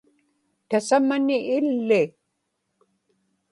tasamani illi